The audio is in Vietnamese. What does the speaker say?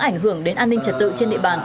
ảnh hưởng đến an ninh trật tự trên địa bàn